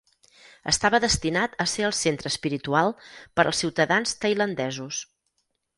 Estava destinat a ser el centre espiritual per als ciutadans tailandesos.